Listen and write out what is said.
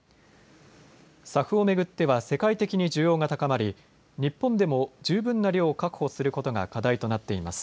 ＳＡＦを巡っては世界的に需要が高まり日本でも十分な量を確保することが課題となっています。